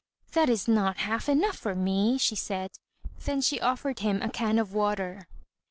"That is not half enough for me," she said. Then she offered him a can of water.